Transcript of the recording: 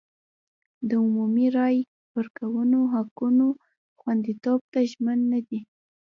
د عمومي رایې ورکونې حقونو خوندیتوب ته ژمن نه دی.